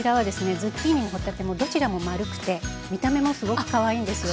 ズッキーニも帆立てもどちらも丸くて見た目もすごくかわいいんですよ。